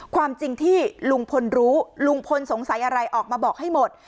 ความจริงที่ลุงพลรู้ลุงพลสงสัยอะไรออกมาบอกให้หมด